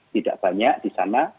tidak banyak di sana